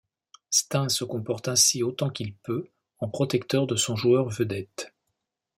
Stein se comporte ainsi autant qu'il peut en protecteur de son joueur vedette.